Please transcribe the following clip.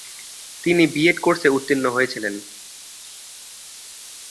তিনি বিএড কোর্সে উত্তীর্ণ হয়েছিলেন।